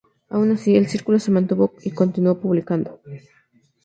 Aun así, el Círculo se mantuvo y continuó publicando.